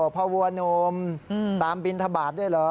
พระวัวหนุ่มตามบิณฑบาตด้วยเหรอ